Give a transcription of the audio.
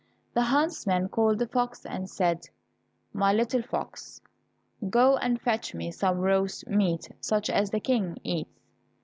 The huntsman called the fox and said, "My little fox, go and fetch me some roast meat, such as the King eats."